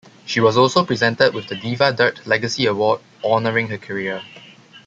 She was also presented with the Diva Dirt Legacy Award, honoring her career.